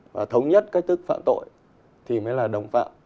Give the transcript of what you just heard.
và thống nhất cách thức phạm tội thì mới là đồng phạm